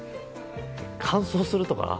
乾燥するとか？